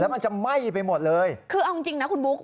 มันจะไหม้ไปหมดเลยคือเอาจริงจริงนะคุณบุ๊ค